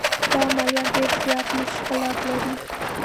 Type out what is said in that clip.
دا عملیات ډېر زیات مشکلات لري.